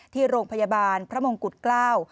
ที่โรงพยาบาลพระมงกุฎเกล้า